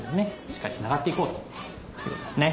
しっかりつながっていこうということですね。